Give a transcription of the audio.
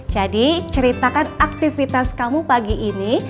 jadi ceritakan aktivitas kamu pagi ini